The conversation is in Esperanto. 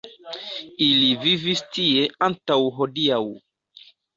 Ili vivis tie antaŭ hodiaŭ.